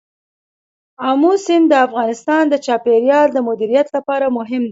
آمو سیند د افغانستان د چاپیریال د مدیریت لپاره مهم دي.